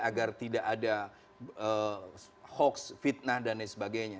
agar tidak ada hoax fitnah dan lain sebagainya